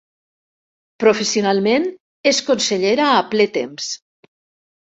Professionalment és consellera a ple temps.